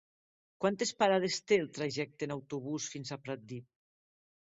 Quantes parades té el trajecte en autobús fins a Pratdip?